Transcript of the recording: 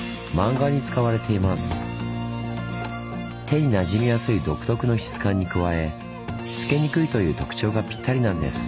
手になじみやすい独特の質感に加え透けにくいという特徴がぴったりなんです。